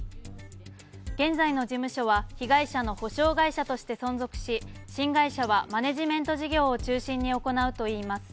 現在の事務所は被害書の補償会社として存続し新会社はマネジメント事業を中心に行うといいます。